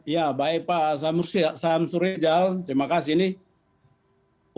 ya baik pak sam suryajal terima kasih nih